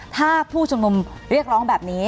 ถ้าผู้ชุมนุมเรียกร้องแบบนี้